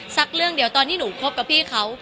สักเรื่องเดียวตอนที่หนูคบกับพี่เขา